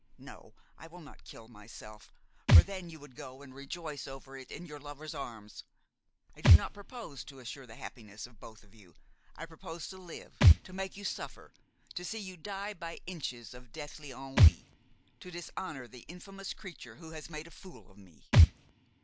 No, I will not kill myself; for then you would go and rejoice over it in your lover's arms. I do not propose to assure the happiness of both of you; I propose to live to make you suffer, to see you die by inches of deathly ennui, to dishonor the infamous creature who has made a fool of me!"